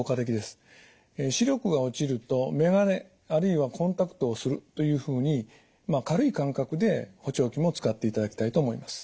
視力が落ちると眼鏡あるいはコンタクトをするというふうに軽い感覚で補聴器も使っていただきたいと思います。